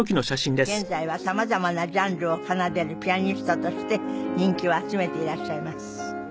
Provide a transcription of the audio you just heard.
現在は様々なジャンルを奏でるピアニストとして人気を集めていらっしゃいます。